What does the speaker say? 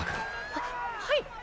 ははいっ。